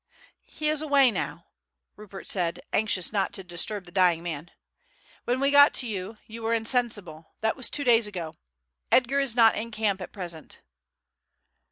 "He is away now," Rupert said, anxious not to disturb the dying man. "When we got to you you were insensible, that was two days ago. Edgar is not in camp at present."